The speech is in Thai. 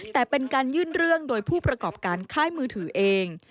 แต่เป็นการยื่นเรื่องโดยผู้ประกอบการค่ายมือถือเอง